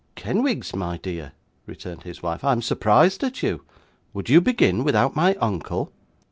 'Kenwigs, my dear,' returned his wife, 'I am surprised at you. Would you begin without my uncle?